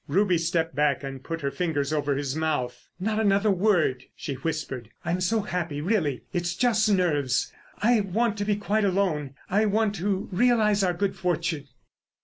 Ruby stepped back and put her fingers over his mouth. "Not another word," she whispered. "I'm so happy, really. It's just nerves. I want to be quite alone. I want to realise our good fortune."